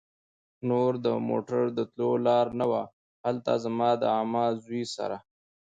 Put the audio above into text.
نور د موټر د تلو لار نه وه. هلته زما د عمه زوی سره